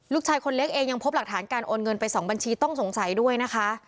คนเล็กเองยังพบหลักฐานการโอนเงินไป๒บัญชีต้องสงสัยด้วยนะคะ